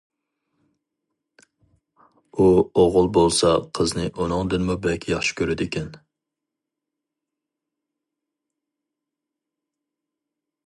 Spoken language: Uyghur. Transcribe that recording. ئۇ ئوغۇل بولسا قىزنى ئۇنىڭدىنمۇ بەك ياخشى كۆرىدىكەن.